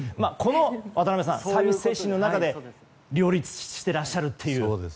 渡辺さんサービス精神の中で両立していらっしゃるという。